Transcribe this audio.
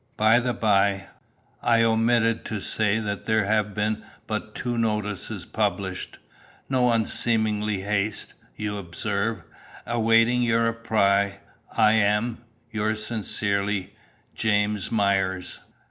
"By the by, I omitted to say that there have been but two 'notices' published. No unseemly haste, you observe. Awaiting your reply, I am, "Yours sincerely, "JAS. MYERS."